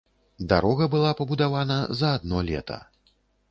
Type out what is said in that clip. Дарога была пабудавана за адно лета.